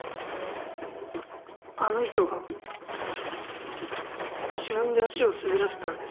あの人が自分で足を滑らせたんです。